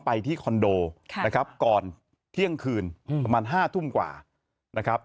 ไปที่คอนโดนะครับก่อนเที่ยงคืนประมาณ๕ทุ่มกว่านะครับ